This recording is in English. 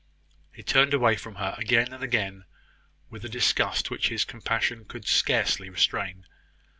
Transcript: He turned away from her, again and again, with a disgust which his compassion could scarcely restrain.